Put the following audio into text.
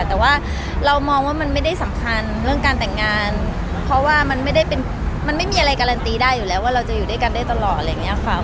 แต่ว่าเรามองว่ามันไม่ได้สำคัญเรื่องการแต่งงานเพราะว่ามันไม่ได้เป็นมันไม่มีอะไรการันตีได้อยู่แล้วว่าเราจะอยู่ด้วยกันได้ตลอดอะไรอย่างนี้ค่ะ